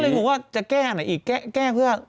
บอกว่าจะแก้อันไหนอีกแก้เพื่อ